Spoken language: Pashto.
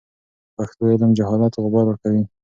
په پښتو علم د جهالت غبار ورکوي.